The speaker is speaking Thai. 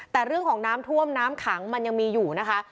แต่เรื่องของน้ำท่วมน้ำขังมันยังมีอยู่นะคะ